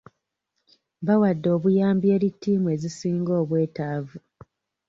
Bawadde obuyambi eri tiimu ezisinga obwetaavu